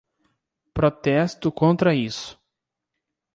Protesto contra isso!